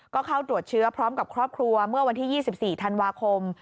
ก็เข้าตรวจเชื้อพร้อมกับครอบครัวเมื่อวันที่๒๔ธันวาคม